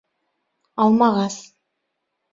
Алмағас: